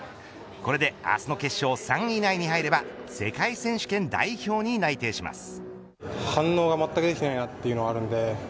これで明日の決勝３位以内に入れば世界選手権代表に内定します。